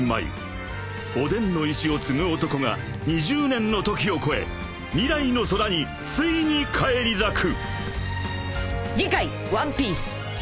［おでんの意志を継ぐ男が２０年の時を超え未来の空についに返り咲く］